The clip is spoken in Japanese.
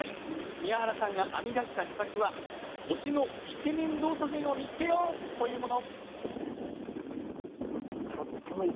宮原さんが編み出した秘策は推しのイケメン道祖神を見つけようというもの。